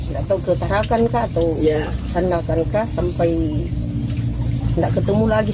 nggak tahu ketaralkankah atau sandalkankah sampai nggak ketemu lagi